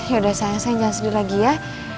yaudah sayang sayang jangan sedih lagi ya